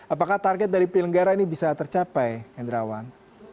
apakah target dari penyelenggara ini bisa tercapai hendrawan